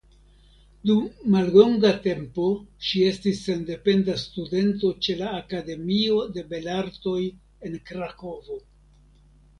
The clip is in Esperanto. Dum mallonga tempo ŝi estis sendependa studento ĉe la Akademio de Belartoj en Krakovo.